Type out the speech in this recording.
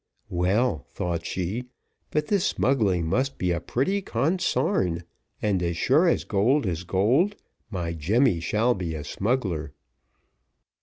"Well," thought she, "but this smuggling must be a pretty consarn; and as sure as gold is gold, my Jemmy shall be a smuggler."